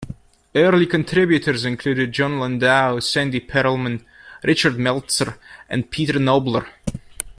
Early contributors included Jon Landau, Sandy Pearlman, Richard Meltzer and Peter Knobler.